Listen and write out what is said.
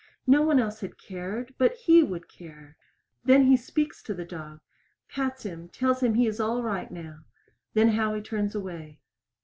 No one else had cared, but he would care. Then he speaks to the dog pats him tells him he is all right now. Then Howie turns away.